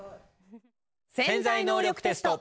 「潜在能力テスト」。